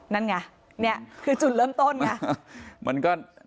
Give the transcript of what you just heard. นั่นไงนี่คือจุดเริ่มต้นไง